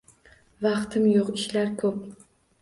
Vaqtim yo‘q, ishlar ko‘p.